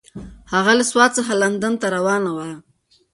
هغه له سوات څخه لندن ته روانه وه.